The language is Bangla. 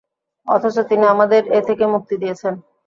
অথচ তিনি আমাদেরকে এ থেকে মুক্তি দিয়েছেন।